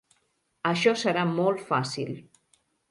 Això serà molt fàcil.